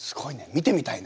見てみたい！